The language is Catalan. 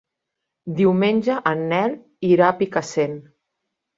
Diumenge en Nel irà a Picassent.